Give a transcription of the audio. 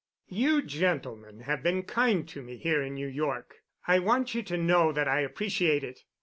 "You gentlemen have been kind to me here in New York. I want you to know that I appreciate it.